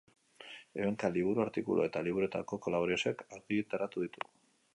Ehunka liburu, artikulu eta liburuetako kolaborazioak argitaratu ditu.